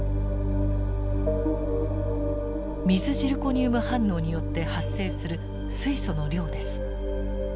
水ジルコニウム反応によって発生する水素の量です。